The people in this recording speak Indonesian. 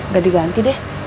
gak diganti deh